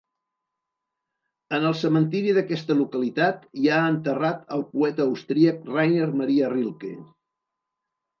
En el cementiri d'aquesta localitat hi ha enterrat el poeta austríac Rainer Maria Rilke.